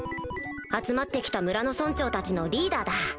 集まって来た村の村長たちのリーダーだ